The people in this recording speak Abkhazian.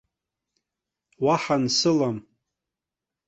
Уаҳа ансылам.